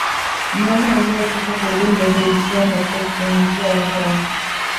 Mnyama aliyekufa kwa ugonjwa huu hutoa mapovu kwenye njia ya hewa